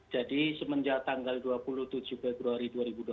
jadi semenjak tanggal dua puluh tujuh februari dua ribu dua puluh